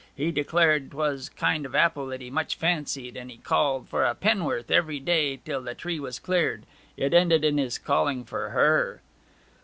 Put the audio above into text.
He declared 'twas a kind of apple he much fancied; and he called for a penn'orth every day till the tree was cleared. It ended in his calling for her.'